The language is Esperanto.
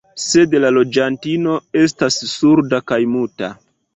Sed la loĝantino estas surda kaj muta.